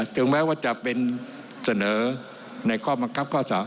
ถึงแม้ว่าจะเป็นเสนอในข้อบังคับข้อ๓